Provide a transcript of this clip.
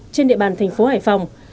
trên địa bàn thành phố hải phòng